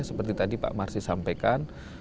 seperti tadi pak marsi sampaikan